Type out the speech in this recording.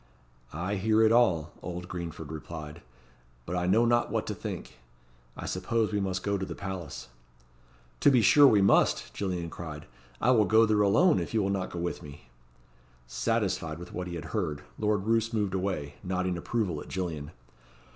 "I hear it all," old Greenford replied; "but I know not what to think. I suppose we must go to the palace." "To be sure we must," Gillian cried; "I will go there alone, if you will not go with me." Satisfied with what he had heard, Lord Roos moved away, nodding approval at Gillian.